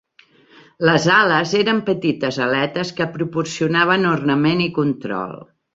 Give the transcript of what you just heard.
Les "ales" eren petites aletes que proporcionaven ornament i control.